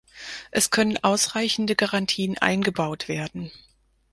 Es können ausreichende Garantien eingebaut werden.